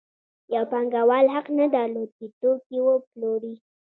یو پانګوال حق نه درلود چې توکي وپلوري